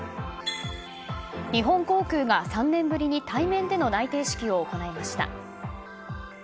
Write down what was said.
日本航空が３年ぶりに対面での内定式を行いました。